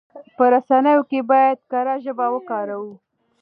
په رسنيو کې بايد کره ژبه وکاروو.